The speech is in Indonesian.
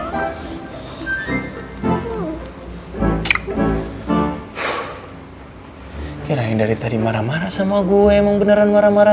gak ada yang dari tadi marah marah sama gue emang beneran marah marah